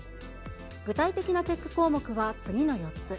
具体的なチェック項目は次の４つ。